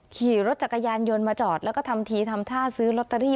ขี่รถจักรยานยนต์มาจอดแล้วก็ทำทีทำท่าซื้อลอตเตอรี่